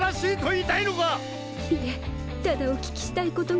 いえただおききしたいことが。